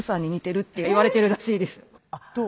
どう？